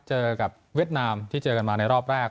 เจอกับเวียดนามที่เจอกันมาในรอบแรก